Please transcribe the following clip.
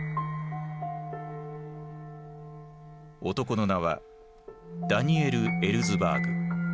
男の名はダニエル・エルズバーグ。